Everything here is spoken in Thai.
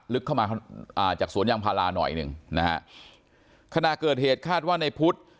ลึกเข้ามาอ่าจากสวนยางพาราหน่อยหนึ่งนะฮะขณะเกิดเหตุคาดว่าในพุทธ